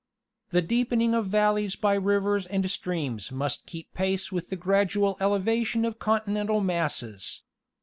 The deepening of valleys by rivers and streams must keep pace with the gradual elevation of continental masses.